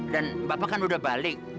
dan bapak kan udah balik